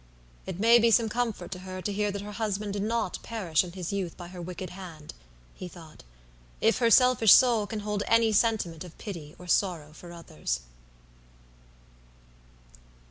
"It may be some comfort to her to hear that her husband did not perish in his youth by her wicked hand," he thought, "if her selfish soul can hold any sentiment of pity or sorrow for others."